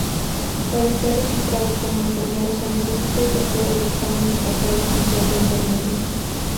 Para estar registrado como enfermero se necesita efectuar el examen estatal oficial de enfermería.